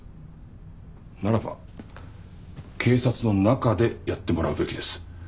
ならば警察の中でやってもらうべきです。